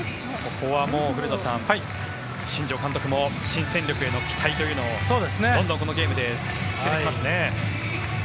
ここは古田さん、新庄監督も新戦力への期待というのをどんどんこのゲームで送ってきますね。